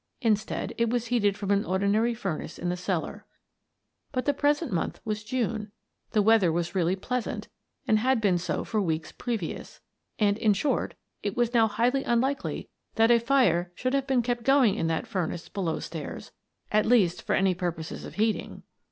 Instead, it was heated from an ordinary furnace in the cellar. But the present month was June; the weather was really pleasant and had been so for weeks previous, and, 60 Miss Frances Baird, Detective in short, it was now highly unlikely that a fire should have been kept going in that furnace below stairs, at least for any purposes of heating.